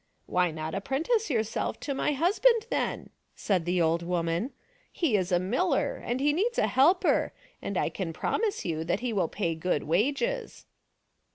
" Why not apprentice yourself to my husband then ?" said the old woman. " He is a miller and he needs a helper, and I can promise you that he will pay good wages."